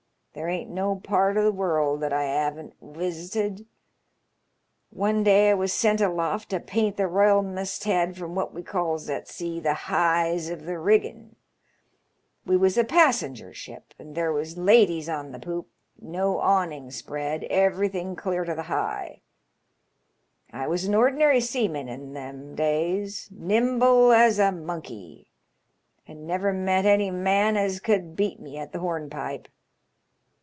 There ain't no part of the world that I 'aven't wisited. One day I was sent <aloft to paint the royal m'st head from what we calls at sea the hyes of the riggin'. We was a passenger ship, an* there was ladies on the poop, no awnings spread, everything clear to the hye. I was an ordinary seaman in them days, nimble as a monkey, and never met any man as could beat me at the hornpipe.